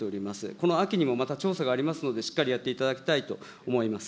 この秋にも、また調査がありますので、しっかりやっていただきたいと思います。